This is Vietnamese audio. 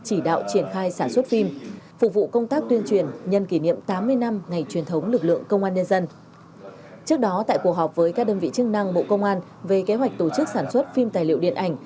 chỉ đạo triển khai sản xuất phim phục vụ công tác tuyên truyền nhân kỷ niệm tám mươi năm ngày truyền thống lực lượng công an nhân dân